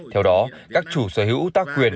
theo đó các chủ sở hữu tác quyền